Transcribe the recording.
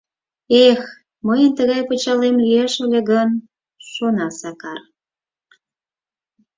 «Эх, мыйын тыгай пычалем лиеш ыле гын», шона Сакар.